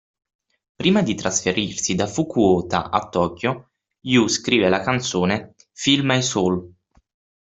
Prima di trasferirsi da Fukuoka a Tokyo, Yui scrive la canzone "Feel My Soul".